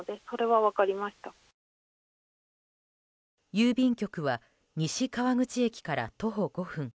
郵便局は西川口駅から徒歩５分。